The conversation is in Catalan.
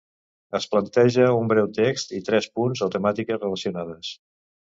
Es planteja un breu text i tres punts o temàtiques relacionades.